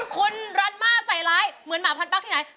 คุณรันมาใส่ร้ายเหมือนหมาพันปั๊กที่ไหน